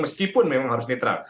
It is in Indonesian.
meskipun memang harus nitrat